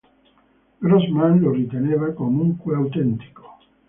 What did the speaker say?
Grossman lo riteneva comunque autentico.